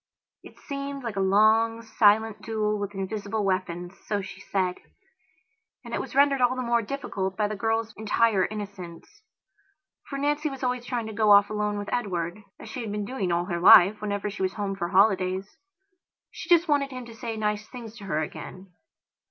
It seemed like a long, silent duel with invisible weapons, so she said. And it was rendered all the more difficult by the girl's entire innocence. For Nancy was always trying to go off alone with Edwardas she had been doing all her life, whenever she was home for holidays. She just wanted him to say nice things to her again.